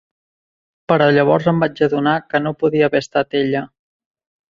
Però llavors em vaig adonar que no podia haver estat ella.